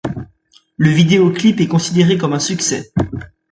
Le vidéo-clip est considéré comme un succès.